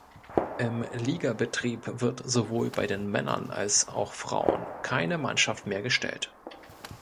Im Ligabetrieb wird sowohl bei den Männern als auch Frauen keine Mannschaft mehr gestellt.